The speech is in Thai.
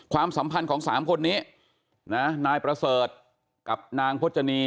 ความสัมพันธ์ของสามคนนี้นะนายประเสริฐกับนางพจนี